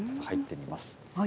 入ってみます。